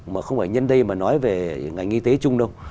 mà không phải nhân đây mà nói về ngành y tế chung đâu